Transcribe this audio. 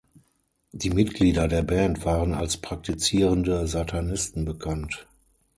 Die Mitglieder der Band waren als praktizierende Satanisten bekannt.